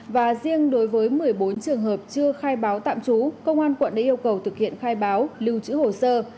và riêng đối với một mươi bốn trường hợp chưa khai báo tạm trú công an quận đã yêu cầu thực hiện khai báo lưu trữ hồ sơ